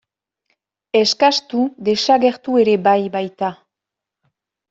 Eskastu desagertu ere bai baita.